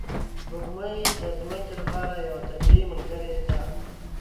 سپوږمۍ د ځمکې لپاره یوه طبیعي ملګرې ده